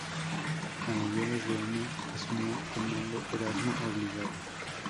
A mediados de año asumió el mando Erasmo Obligado.